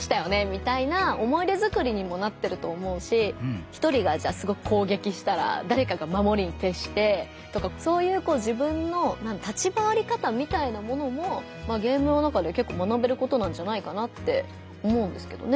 みたいな思い出づくりにもなってると思うし１人がじゃあすごく攻撃したらだれかがまもりにてっしてとかそういうこう自分の立ち回り方みたいなものもゲームの中で結構学べることなんじゃないかなって思うんですけどね。